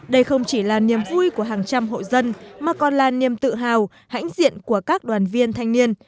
đây không chỉ là niềm vui của hàng trăm hộ dân mà còn là niềm tự hào hãnh diện của các đoàn viên thanh niên